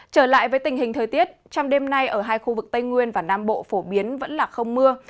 trở lại với tình hình thời tiết trong đêm nay ở hai khu vực tây nguyên và nam bộ phổ biến vẫn là không mưa